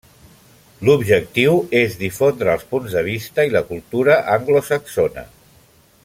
L'objectiu és difondre els punts de vista i la cultura anglosaxona.